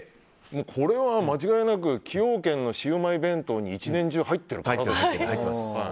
これは間違いなく崎陽軒のシウマイ弁当に１年中、入ってますよ。